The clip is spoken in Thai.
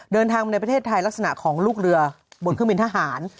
เดินทางมาในประเทศไทยลักษณะของลูกเรือบนเครื่องบินทหาร